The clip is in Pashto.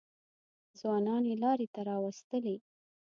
ځوانان یې لارې ته راوستلي.